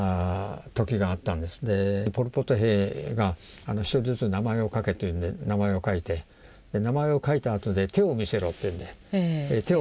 ポル・ポト兵が１人ずつ名前を書けと言うんで名前を書いて名前を書いたあとで「手を見せろ」と言うんで手を見せる。